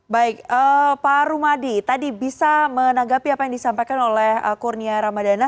baik pak rumadi tadi bisa menanggapi apa yang disampaikan oleh kurnia ramadana